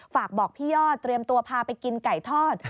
ฝากบอกพี่ยอดเตรียมตัวพาไปกินไก่ทอด